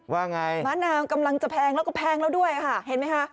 ว่าไงมะนาวกำลังจะแพงแล้วก็แพงแล้วด้วยค่ะเห็นไหมคะ